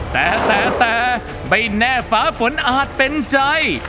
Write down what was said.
แต่แต่ไม่แน่ฟ้าฝนอาจเป็นใจ